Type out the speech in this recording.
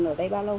ở đây bao lâu